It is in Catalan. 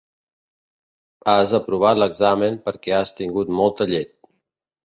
Has aprovat l'examen perquè has tingut molta llet.